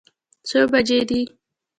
څو بجې دي.